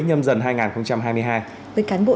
nhâm dần hai nghìn hai mươi hai tới cán bộ